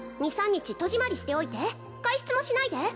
２３日戸締まりしておいて外出もしないで